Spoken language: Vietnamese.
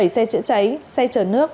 bảy xe chữa cháy xe chở nước